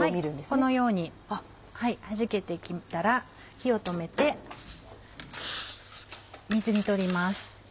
このようにはじけて来たら火を止めて水にとります。